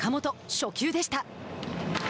初球でした。